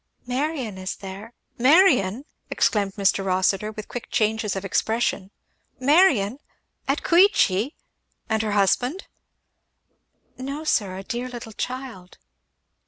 "Marion is there " "Marion!" exclaimed Mr. Rossitur, with quick changes of expression, " Marion! At Queechy! and her husband?" "No sir, a dear little child."